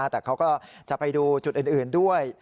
แต่เขาก็จะไปดูจุดอื่นด้วย